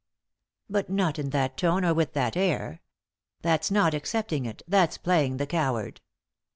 " But not in that tone, or with that air. That's not accepting it, that's playing the coward."